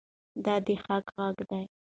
دی د حق غږ دی.